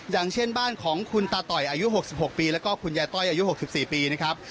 อย่างเช่นบ้านของคุณตาต่อยอายุหกสิบหกปีแล้วก็คุณยายต้อยอายุหกสิบสี่ปีนะครับ